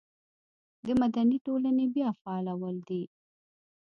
د مدني ټولنې بیا فعالول دي.